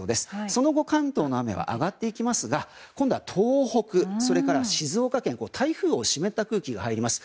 その後、関東の雨は上がっていきますが今度は東北、それから静岡県と台風の湿った空気が入ります。